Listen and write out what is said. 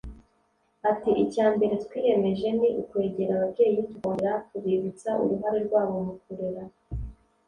Ati “Icya mbere twiyemeje ni ukwegera ababyeyi tukongera kubibutsa uruhare rwabo mu kurera